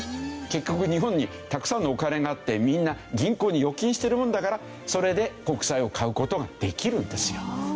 結局日本にたくさんのお金があってみんな銀行に預金してるもんだからそれで国債を買う事ができるんですよ。